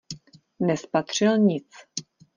Nespatřil nic.